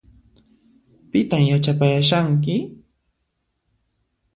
Pitan yachapayashanki?